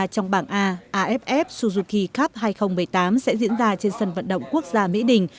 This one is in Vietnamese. trong bảng a aff suzuki cup hai nghìn một mươi tám sẽ diễn ra trên sân vận động quốc gia mỹ đình